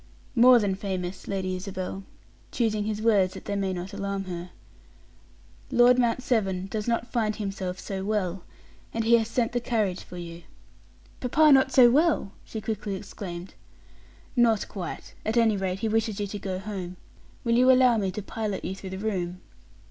"More than famous, Lady Isabel," choosing his words, that they might not alarm her, "Lord Mount Severn does not find himself so well, and he has sent the carriage for you." "Papa not so well!" she quickly exclaimed. "Not quite. At any rate, he wishes you to go home. Will you allow me to pilot you through the room?"